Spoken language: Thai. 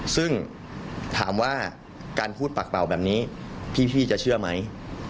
ซึ่งถามว่าการพูดปากเป่าแบบนี้พี่จะเชื่อไหม